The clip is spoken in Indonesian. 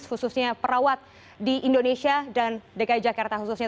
khususnya perawat di indonesia dan dki jakarta khususnya